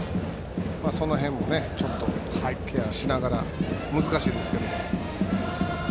その辺もケアしながら難しいですけど。